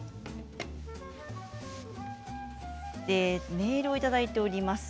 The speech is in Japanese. メールをいただいております。